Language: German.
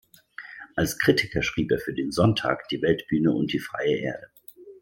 Als Kritiker schrieb er für den "Sonntag", "Die Weltbühne" und die "Freie Erde".